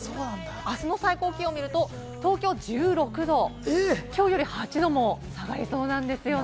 明日の最高気温を見ると東京１６度、今日より８度も下がりそうなんです。